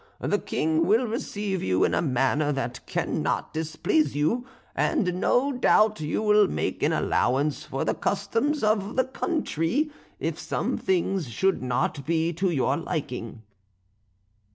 The King will receive you in a manner that cannot displease you; and no doubt you will make an allowance for the customs of the country, if some things should not be to your liking."